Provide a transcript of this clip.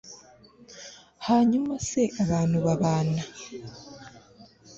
hanyuma se abantu babana